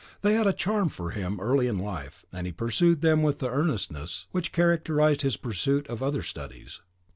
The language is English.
They had a charm for him early in life, and he pursued them with the earnestness which characterised his pursuit of other studies.